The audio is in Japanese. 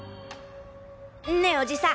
ねぇおじさん。